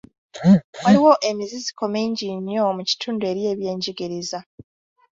Waliwo emiziziko mingi nnyo mu kitundu eri ebyenjigiriza.